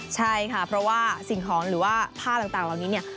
ใช่ค่ะเพราะว่าสินค้องหรือว่าผ้าต่างวันนี้